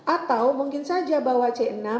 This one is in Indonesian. atau mungkin saja bawa c enam